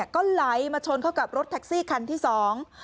ก็ไหลมาชนเข้ากับรถแท็กซี่คันที่สอง